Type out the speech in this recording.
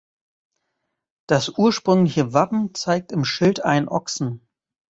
Das ursprüngliche Wappen zeigt im Schild einen Ochsen.